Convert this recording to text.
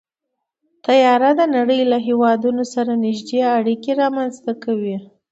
طیاره د نړۍ له هېوادونو سره نږدې اړیکې رامنځته کوي.